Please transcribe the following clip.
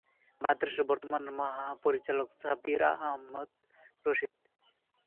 মাদ্রাসার বর্তমান মহাপরিচালক শাব্বির আহমাদ রশিদ।